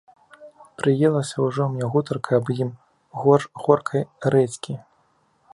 Прыелася ўжо мне гутарка аб ім горш горкай рэдзькі.